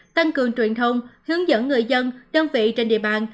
tăng cường truyền thông hướng dẫn người dân đơn vị trên địa bàn